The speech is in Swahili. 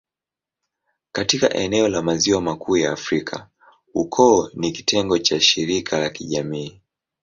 Katika eneo la Maziwa Makuu ya Afrika, ukoo ni kitengo cha shirika la kijamii.